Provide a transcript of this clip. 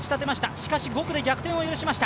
しかし５区で逆転を許しました。